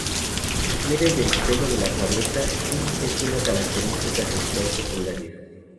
Difiere del pelo de la cabeza y es una característica sexual secundaria.